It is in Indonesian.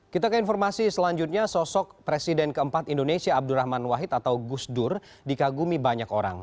kita ke informasi selanjutnya sosok presiden keempat indonesia abdurrahman wahid atau gusdur dikagumi banyak orang